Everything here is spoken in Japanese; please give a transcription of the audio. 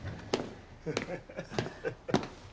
ハハハハ。